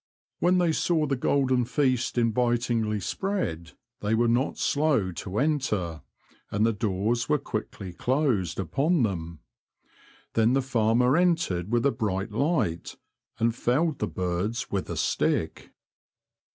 When they saw the golden feast invitingly spread, they were not slow to enter, and the doors were quickly closed upon them. Then the farmer entered with a bright light and felled the birds with a stick.